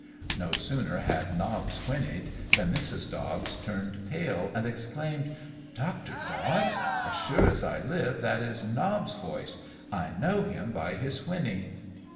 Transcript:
No sooner had Nobbs whinnied, than Mrs. Dobbs turned pale, and exclaimed, "Doctor Dobbs! as sure as I live, that is Nobb's voice I know him by his whinny!"